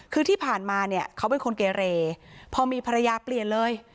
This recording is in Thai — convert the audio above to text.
คือที่ผ่านมาเนี่ยเขาเป็นคนเกเรพอมีภรรยาเปลี่ยนเลย